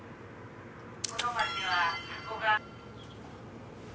この町はたこが」。